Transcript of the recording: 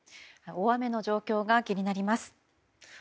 大雨の状況が気になります。